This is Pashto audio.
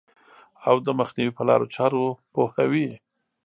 او د مخنیوي په لارو چارو پوهوي.